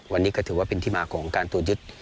วันนี้ก็ถือว่าเป็นที่มาของการตรวจยึด